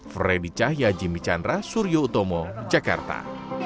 fredy cahya jimmy chandra suryo utomo jakarta